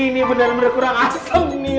ini beneran kurang asem nih